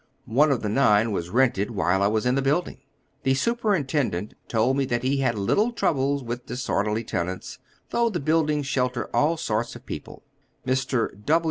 One of the nine was rented while I was in the building. The superintendent told me that he had little trouble with disoi derly tenants, though the buildings shelter all sorts of people. Mr.